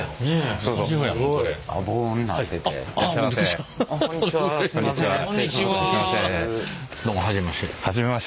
どうも初めまして。